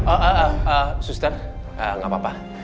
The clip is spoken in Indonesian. ah ah ah sustan gak apa apa